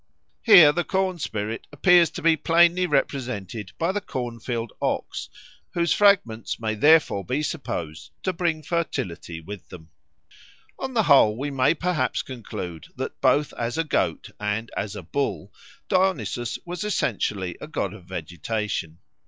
Here the corn spirit appears to be plainly represented by the corn filled ox, whose fragments may therefore be supposed to bring fertility with them. On the whole we may perhaps conclude that both as a goat and as a bull Dionysus was essentially a god of vegetation.